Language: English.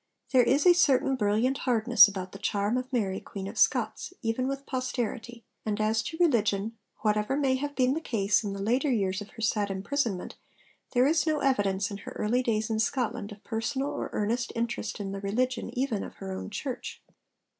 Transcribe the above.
There is a certain brilliant hardness about the charm of Mary Queen of Scots, even with posterity; and as to religion, whatever may have been the case in the later years of her sad imprisonment, there is no evidence in her early days in Scotland of personal or earnest interest in the religion even of her own church.